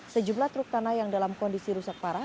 sejumlah truk tanah yang dalam kondisi rusak parah